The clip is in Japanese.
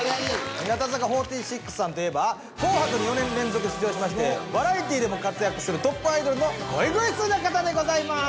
日向坂４６さんといえば「紅白」に４年連続出場しましてバラエティーでも活躍するトップアイドルのゴイゴイスーな方でございます。